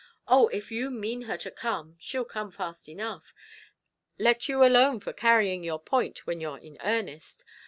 Oh! if you mean her to come, she'll come fast enough; let you alone for carrying your point when you're in earnest.